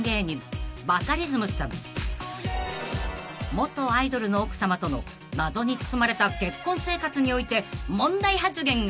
［元アイドルの奥さまとの謎に包まれた結婚生活において問題発言が］